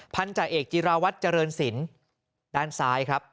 พันธาเอกจิราวัตรเจริญศิลป์ด้านซ้ายครับ